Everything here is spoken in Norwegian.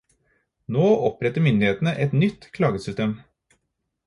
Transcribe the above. Nå oppretter myndighetene et nytt klagesystem.